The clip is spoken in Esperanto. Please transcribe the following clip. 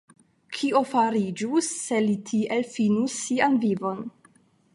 Kio fariĝus, se li tiel finus sian vivon!